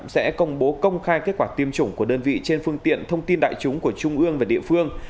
sẽ công bố công khai kết quả tiêm chủng của đơn vị trên phương tiện thông tin đại chúng của trung ương và địa phương